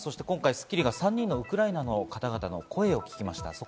今回、『スッキリ』が３人のウクライナの方の声を聞きました。